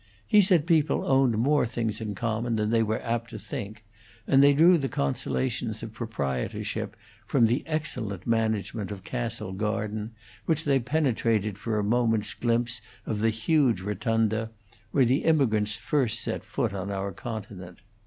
He said people owned more things in common than they were apt to think; and they drew the consolations of proprietorship from the excellent management of Castle Garden, which they penetrated for a moment's glimpse of the huge rotunda, where the immigrants first set foot on our continent.